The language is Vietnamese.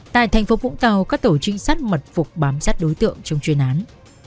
tại thành phố vũng tàu các tổ trinh sát mật phục bám sát đối tượng trong chuyên án